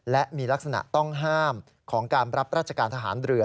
และมีลักษณะต้องห้ามของการรับราชการทหารเรือ